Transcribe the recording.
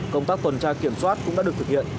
công tác tuần tra kiểm soát cũng đã được thực hiện